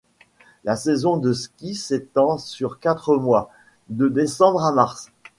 La saison de ski s'étend sur quatre mois, de décembre à mars.